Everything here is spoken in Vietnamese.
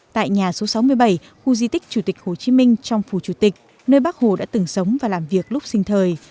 tại nhà số sáu mươi bảy khu di tích chủ tịch hồ chí minh trong phù chủ tịch nơi bác hồ đã từng sống và làm việc lúc sinh thời